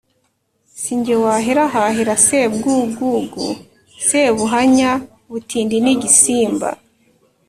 si jye wahera hahera sebwugugu sebuhanya-butindi n' igisimba